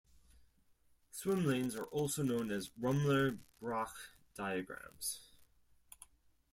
Swim lanes are also known as "Rummler-Brache Diagrams".